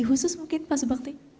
khusus mungkin pak subakti